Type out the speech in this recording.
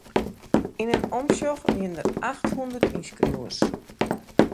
Yn in omsjoch wiene der achthûndert ynskriuwers.